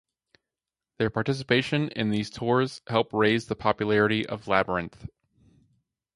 Their participation in these tours help raise the popularity of Labyrinth.